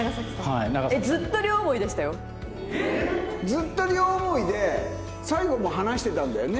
ずっと両思いで最後も話してたんだよね？